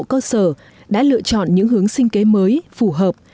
tri bộ cơ sở đã lựa chọn những hướng sinh kế mới phù hợp